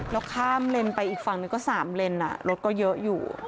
แล้วข้ามเลนไปอีกฝั่งหนึ่งก็๓เลนรถก็เยอะอยู่